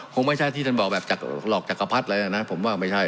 คงไม่ใช่ที่ท่านบอกแบบจากหลอกจักรพรรดิอะไรนะผมว่าไม่ใช่